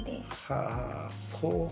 はあそうか。